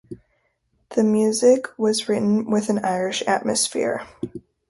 The music was written with an "Irish atmosphere".